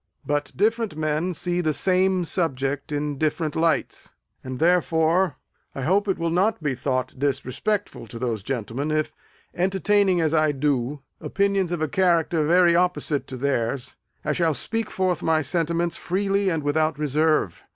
But different men often see the same subject in different lights; and, therefore, I hope it will not be thought disrespectful to those gentlemen, if, entertaining, as I do, opinions of a character very opposite to theirs, I shall speak forth my sentiments freely and without reserve.